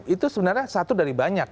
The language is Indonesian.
itu sebenarnya satu dari banyak